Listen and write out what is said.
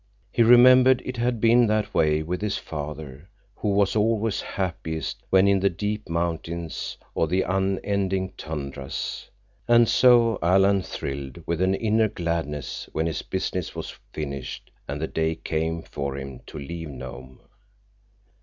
He remembered it had been that way with his father, who was always happiest when in the deep mountains or the unending tundras. And so Alan thrilled with an inner gladness when his business was finished and the day came for him to leave Nome.